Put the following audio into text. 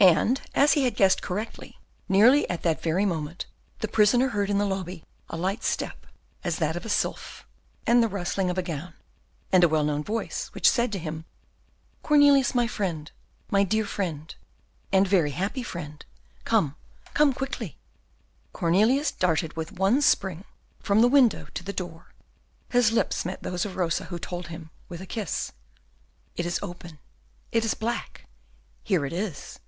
And as if he had guessed correctly, nearly at that very moment the prisoner heard in the lobby a step light as that of a sylph, and the rustling of a gown, and a well known voice, which said to him, "Cornelius, my friend, my very dear friend, and very happy friend, come, come quickly." Cornelius darted with one spring from the window to the door, his lips met those of Rosa, who told him, with a kiss, "It is open, it is black, here it is."